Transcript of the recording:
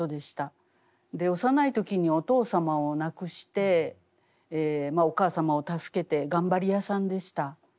幼い時にお父様を亡くしてお母様を助けて頑張りやさんでした。